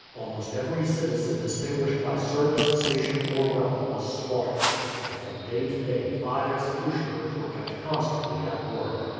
Almost every citizen distinguished by service, station, or wealth was slaughtered, and from day to day five executioners were kept constantly at work.